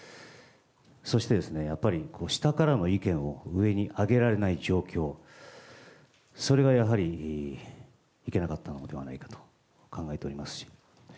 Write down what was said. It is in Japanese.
そしてやっぱり、下からの意見を上にあげられない状況、それがやはりいけなかったのではないかと考えております。